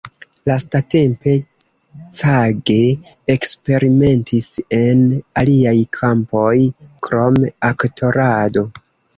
Lastatempe, Cage eksperimentis en aliaj kampoj krom aktorado.